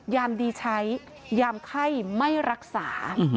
ยามดีใช้ยามไข้ไม่รักษา